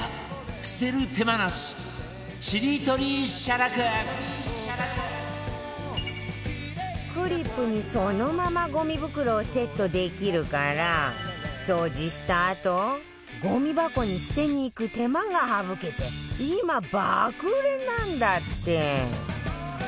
捨てる手間なしクリップにそのままゴミ袋をセットできるから掃除したあとゴミ箱に捨てに行く手間が省けて今爆売れなんだって